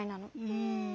うん。